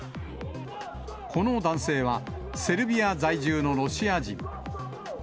この男性は、セルビア在住のロシア人。